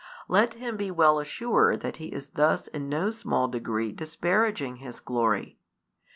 Let him be well assured that he is thus in no small degree disparaging His glory.